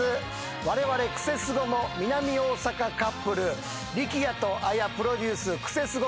われわれ『クセスゴ！』も南大阪カップル力也と綾プロデュースクセスゴ！